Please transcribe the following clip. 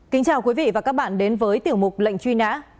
kính chào quý vị và các bạn đến với tiểu mục lệnh truy nã